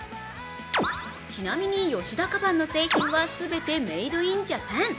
ちなみに、吉田カバンの製品は全てメイド・イン・ジャパン。